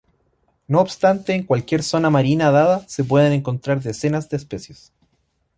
No obstante en cualquier zona marina dada se pueden encontrar decenas de especies.